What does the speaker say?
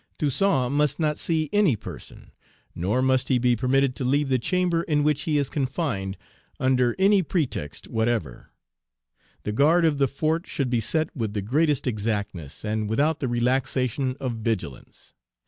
Toussaint must not see any person, nor must he be permitted to leave the chamber in which he is confined, under Page 355 any pretext whatever. The guard of the fort should be set with the greatest exactness, and without the relaxation of vigilance.